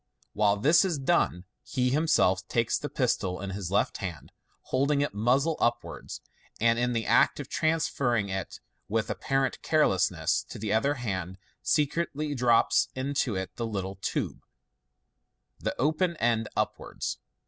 While this is done, he himself takes the pistol in his left hand, holding it muzzle upwards, and in the act of transferring it with apparent carelessness to the other hand, secretly drops into it the little tube, the open end upwards.